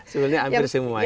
sebenarnya hampir semuanya